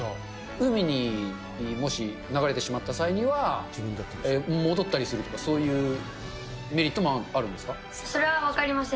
海にもし流れてしまった際には、戻ったりするとか、そういうメリそれは分かりません。